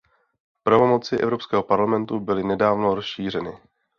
Pravomoci Evropského parlamentu byly nedávno rozšířeny.